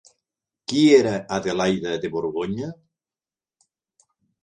Qui era Adelaida de Borgonya?